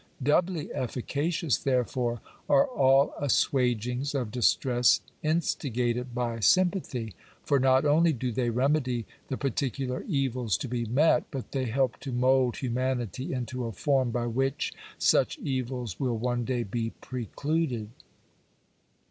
Doubly efficacious, therefore, are all assuagings of distress instigated by sympathy; for not only do they remedy the parti cular evils to be met, but they help to mould humanity into a form by which such evils will one day be precluded.